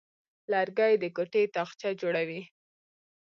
لرګی د کوټې تاقچه جوړوي.